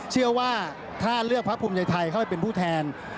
เชื่อว่าถ้าเลือกพักภูมิใจไทยเข้าไปเป็นผู้แทน